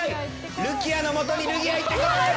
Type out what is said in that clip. るきあのもとにルギアいってこい！